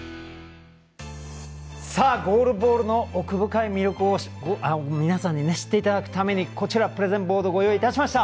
ゴールボールの奥深い魅力を皆さんに知っていただくためにこちら、プレゼンボードをご用意しました。